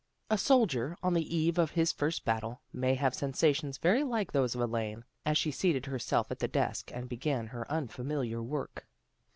A soldier, on the eve of his first battle, may have sensations very like those of Elaine, as she seated herself at the desk and began her unfamiliar work.